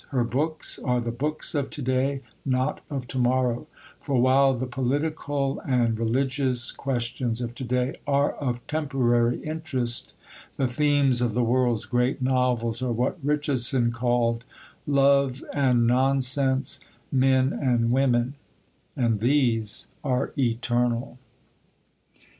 Her books are the books of to day, not of to morrow; for while the political and religious questions of to day are of temporary interest, the themes of the world's great novels are what Richardson called "love and nonsense, men and women" and these are eternal.